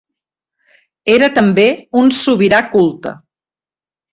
Era també un sobirà culte.